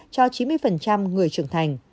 cho chín mươi người trưởng thành